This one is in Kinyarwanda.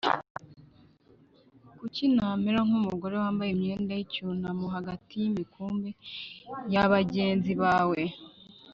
Kuki namera nk umugore wambaye imyenda y icyunamo hagati y imikumbi ya bagenzi bawe